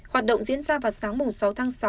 hoạt động diễn ra vào sáng sáu tháng sáu